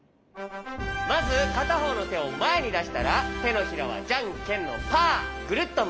まずかたほうのてをまえにだしたらてのひらはじゃんけんのパーぐるっとまわすよ。